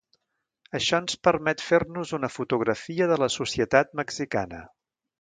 Això ens permet fer-nos una fotografia de la societat mexicana.